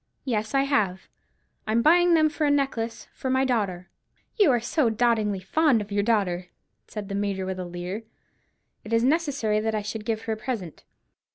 "Yes, I have. I am buying them for a necklace for my daughter." "You are so dotingly fond of your daughter!" said the Major with a leer. "It is necessary that I should give her a present."